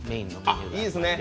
いいですね。